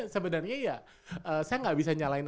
sebenarnya ya saya nggak bisa nyalain